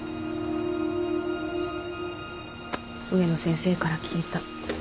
植野先生から聞いた。